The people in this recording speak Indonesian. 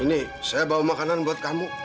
ini saya bawa makanan buat kamu